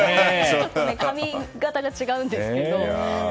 ちょっと髪形が違うんですけど。